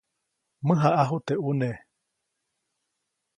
Mäjaʼaju teʼ ʼune.